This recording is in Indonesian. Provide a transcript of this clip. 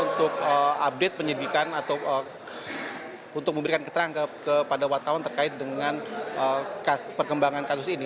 untuk update penyidikan atau untuk memberikan keterangan kepada wartawan terkait dengan perkembangan kasus ini